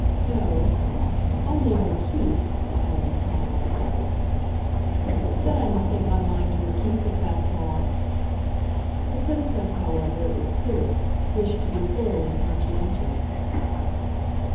"No only her 'keep,'" Maggie smiled. "Then I don't think I mind her keep if that's all." The Princess, however, it was clear, wished to be thoroughly conscientious.